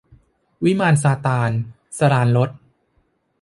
วิมานซาตาน - สราญรส